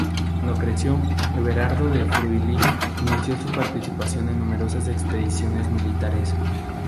Cuando creció, Everardo de Friuli inició su participación en numerosas expediciones militares.